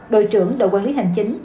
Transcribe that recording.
đội trưởng đội quản lý hành chính